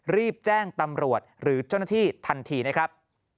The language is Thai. รีบแจ้งตำรวจหรือเจ้าหน้าที่ทันทีนะครับ